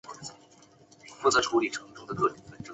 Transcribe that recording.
康熙三十二年病卒。